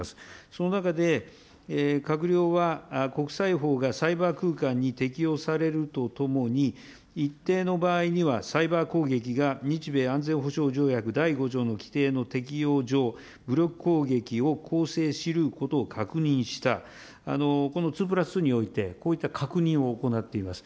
その中で、閣僚は国際法がサイバー空間に適用されるとともに一定の場合にはサイバー攻撃が日米安全保障条約第５条の規定の適用上、武力攻撃をこうせいしうることを確認した、この２プラス２において、こういった確認を行っております。